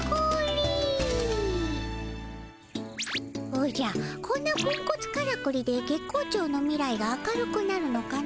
おじゃこんなポンコツからくりで月光町の未来が明るくなるのかの？